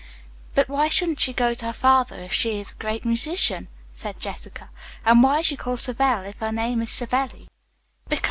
"But why shouldn't she go to her father if he is a great musician?" said Jessica. "And why is she called Savell, if her name is Savelli?"